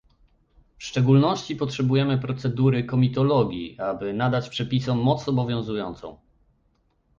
W szczególności potrzebujemy procedury komitologii, aby nadać przepisom moc obowiązującą